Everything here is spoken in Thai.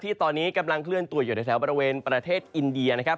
ที่ตอนนี้กำลังเคลื่อนตัวอยู่ในแถวบริเวณประเทศอินเดียนะครับ